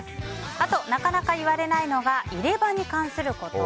あと、なかなか言われないのが入れ歯に関すること。